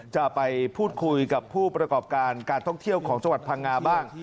จะไปพูดคุยกับผู้ประกอบการการท่องเที่ยวของจังหวัดพังงาบ้าง